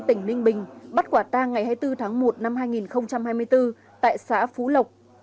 tỉnh ninh bình bắt quả tang ngày hai mươi bốn tháng một năm hai nghìn hai mươi bốn tại xã phú lộc